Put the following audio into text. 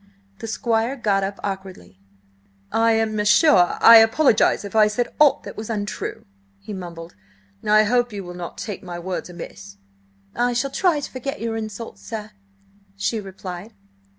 The Squire got up awkwardly. "I am sure I apologise if I said aught that was untrue," he mumbled. "I hope you will not take my words amiss—" "I shall try to forget your insults, sir," she replied.